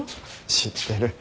知ってる。